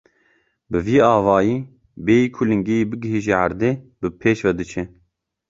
Bi vî awayî bêyî ku lingê wî bigihîje erdê, bi pêş ve diçe.